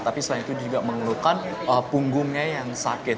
tapi selain itu juga mengeluhkan punggungnya yang sakit